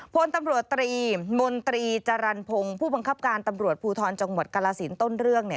พลตำรวจตรีมนตรีจรรพงศ์ผู้บังคับการตำรวจภูทรจังหวัดกาลสินต้นเรื่องเนี่ย